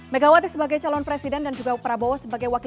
megawati sebagai calon presiden dan juga prabowo sebagai wakil